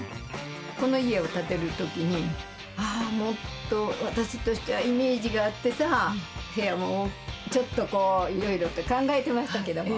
この家を建てるときに、ああ、もっと私としてはイメージがあってさ、部屋をちょっと、いろいろと考えてましたけども。